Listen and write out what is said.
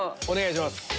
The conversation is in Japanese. お願いします。